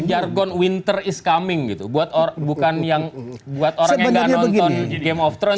jargon winter is cualquier buat bukan yang buat yang capek ini terus cuma